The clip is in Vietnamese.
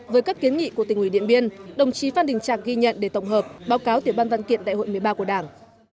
với các kiến nghị của tỉnh ủy điện biên đồng chí phan đình trạc ghi nhận để tổng hợp báo cáo tiểu ban văn kiện đại hội một mươi ba của đảng